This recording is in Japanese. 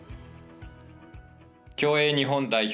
競泳日本代表